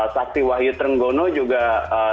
saksi wahyu trenggono juga memiliki pengetahuan